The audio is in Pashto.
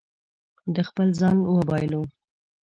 ده خپل ځان وبایلو.